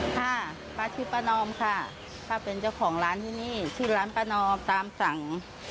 ค่ะปลาชิปปานอมค่ะข้าเป็นเจ้าของร้านมีที่ล้านประนองตามสั่ง